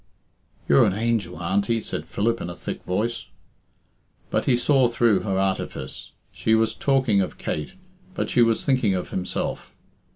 "You're an angel, Auntie," said Philip in a thick voice. But he saw through her artifice. She was talking of Kate, but she was thinking of himself.